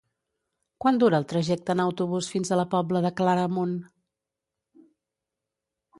Quant dura el trajecte en autobús fins a la Pobla de Claramunt?